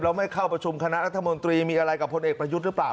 แล้วไม่เข้าประชุมคณะรัฐมนตรีมีอะไรกับพลเอกประยุทธ์หรือเปล่า